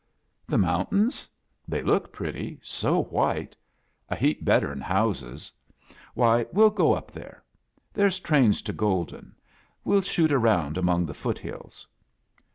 "The mountains? They look pretty — .'N so white! A heap better 'n houses, '^y, ^^ well go there! There's trains to Golden. Well shoot around among the foot hills."